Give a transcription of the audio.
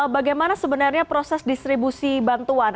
bagaimana sebenarnya proses distribusi bantuan